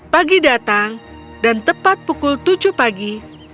pagi datang dan tepat pukul tujuh pagi